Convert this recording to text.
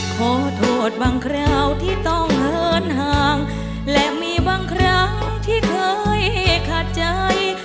ขอโทษบางคราวที่ต้องเหินห่างและมีบางครั้งที่เคยขาดใจ